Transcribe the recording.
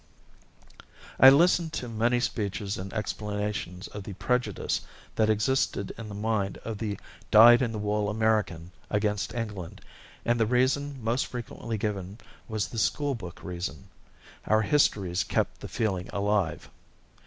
I listened to many speeches and explanations of the prejudice that existed in the mind of the dyed in the wool American against England, and the reason most frequently given was the "school book" reason; our histories kept the feeling alive.